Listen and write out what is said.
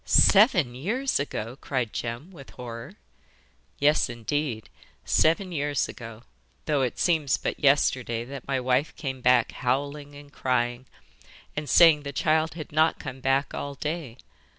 'SEVEN YEARS AGO!' cried Jem, with horror. 'Yes, indeed, seven years ago, though it seems but yesterday that my wife came back howling and crying, and saying the child had not come back all day.